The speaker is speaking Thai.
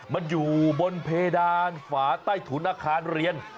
มันอยู่บนเพดานฝาใต้ถุนอาคารเรียน